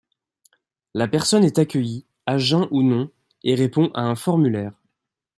La personne est accueillie, à jeun ou non, et répond à un formulaire.